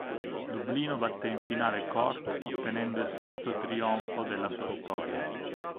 Dublino batté in finale Cork ottenendo il sesto trionfo della sua storia.